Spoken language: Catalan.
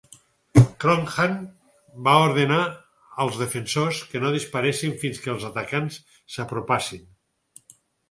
Croghan va ordenà els defensors que no disparessin fins que els atacants s'apropassin.